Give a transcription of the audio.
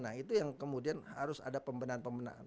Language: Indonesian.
nah itu yang kemudian harus ada pembinaan pembinaan